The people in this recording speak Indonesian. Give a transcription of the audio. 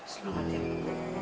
selamat ya bu